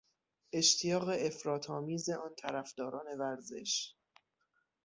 اشتیاق افراطآمیز آن طرفداران ورزش